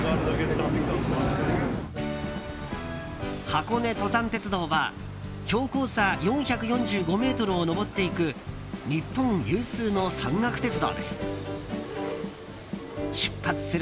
箱根登山鉄道は標高差４４５ｍを登っていく日本有数の山岳鉄道です。